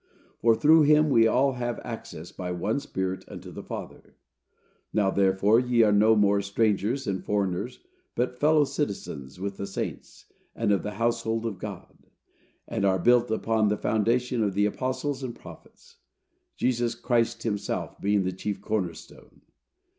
"For through him we all have access, by one Spirit, unto the Father." "Now, therefore, ye are no more strangers and foreigners, but fellow citizens with the saints, and of the household of God, and are built upon the foundation of the apostles and prophets, Jesus Christ, himself, being the chief corner stone."